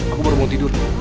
aku baru mau tidur